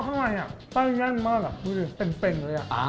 ข้างในอ่ะใต้แย่งมากอ่ะดูดิเต็มเลยอ่ะอ่า